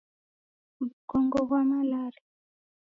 Wukongo ghwa malaria